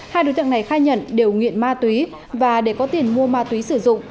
hai đối tượng này khai nhận đều nghiện ma túy và để có tiền mua ma túy sử dụng